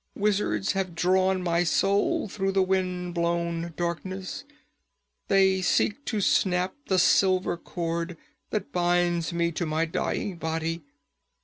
Wizards have drawn my soul through the wind blown darkness. They seek to snap the silver cord that binds me to my dying body.